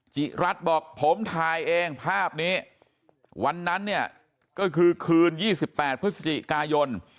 จิรัตน์บอกผมถ่ายเองภาพนี้วันนั้นเนี่ยก็คือคืน๒๘พฤศจิกายน